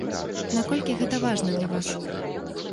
Наколькі гэта важна для вас?